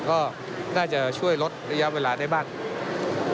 ก็น่าจะช่วยลดระยะเวลาได้บ้าง